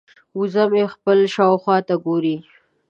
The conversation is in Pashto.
وزه مې خپلې شاوخوا ته ګوري.